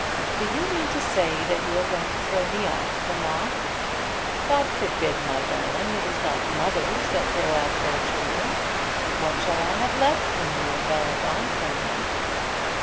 "Do you mean to say that you are going to throw me off, mamma?" "God forbid, my darling. It is not mothers that throw off their children. What shall I have left when you and Bell are gone from me?"